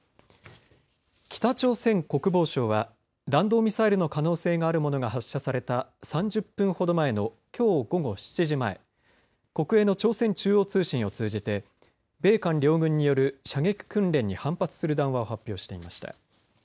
北朝鮮国防省は弾道ミサイルの可能性があるものが発射された３０分ほど前のきょう午後７時前、国営の朝鮮中央通信を通じて米韓両軍による射撃訓練に反発する談話を発表していました。